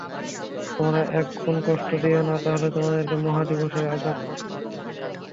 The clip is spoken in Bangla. তোমরা একে কোন কষ্ট দিও না, তাহলে তোমাদেরকে মহা দিবসের আযাব পাকড়াও করবে।